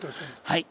はい。